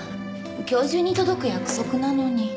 今日中に届く約束なのに。